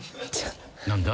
何だ？